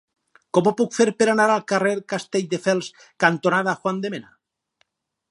Com ho puc fer per anar al carrer Castelldefels cantonada Juan de Mena?